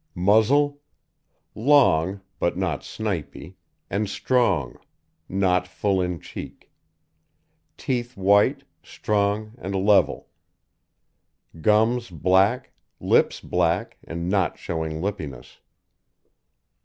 MUZZLE Long (but not snipy) and strong not full in cheek; teeth white, strong, and level; gums black, lips black and not showing lippiness.